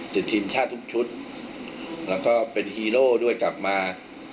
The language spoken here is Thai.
ติดทีมชาติทุกชุดแล้วก็เป็นฮีโร่ด้วยกลับมา